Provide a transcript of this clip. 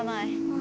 あ。